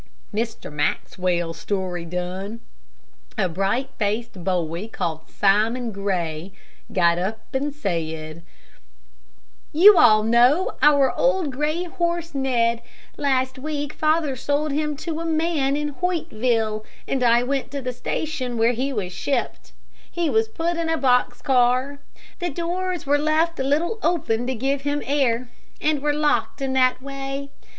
Mr. Maxwell's story done, a bright faced boy, called Simon Grey, got up and said: "You all know our old gray horse Ned. Last week father sold him to a man in Hoytville, and I went to the station when he was shipped. He was put in a box car. The doors were left a little open to give him air, and were locked in that way.